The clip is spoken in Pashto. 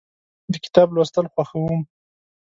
د کتاب لوستل خوښوم.